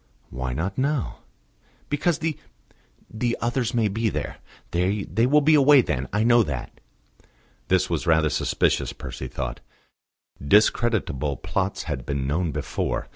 "Why not now?" "Because the the others may be there. They will be away then; I know that." This was rather suspicious, Percy thought: discreditable plots had been known before.